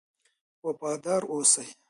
وفادار اوسئ.